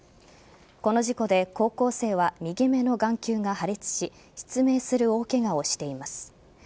この事故で高校生は右目の眼球が破裂し失明する大ケガをしています。